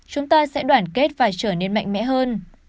chúng ta sẽ đoàn kết và trở nên mạnh mẽ hơn